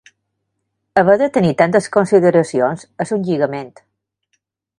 Haver de tenir tantes consideracions és un lligament.